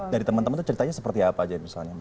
dari teman teman itu ceritanya seperti apa aja misalnya